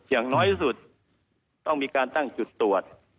อย่างน้อยที่สุดต้องมีการตั้งจุดตรวจ